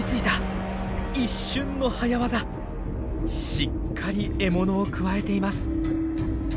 しっかり獲物をくわえています。